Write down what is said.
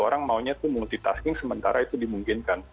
orang maunya tuh multitasking sementara itu dimungkinkan